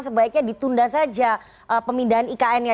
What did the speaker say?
sebaiknya ditunda saja pemindahan ikn nya